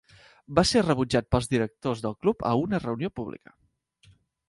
Va ser rebutjat pels directors del club a una reunió pública.